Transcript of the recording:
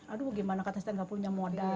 aduh gimana kata saya gak punya modal